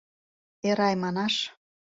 Эрай манаш...